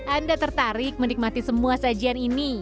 anda tertarik menikmati semua sajian ini